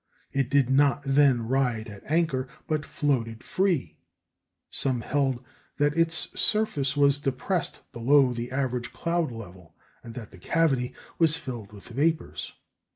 It did not then ride at anchor, but floated free. Some held that its surface was depressed below the average cloud level, and that the cavity was filled with vapours.